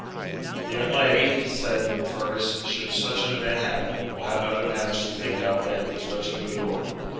'The young lady,' said Fergus, 'should such an event happen, will have other matters to think of than these wretched louis d'or.'